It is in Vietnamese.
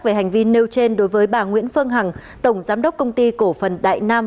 về hành vi nêu trên đối với bà nguyễn phương hằng tổng giám đốc công ty cổ phần đại nam